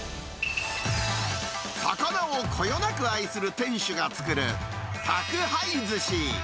魚をこよなく愛する店主が作る、宅配ずし。